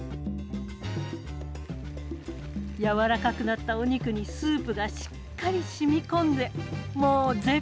軟らかくなったお肉にスープがしっかりしみこんでもう絶品。